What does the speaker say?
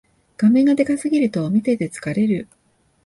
画面がでかすぎると見てて疲れる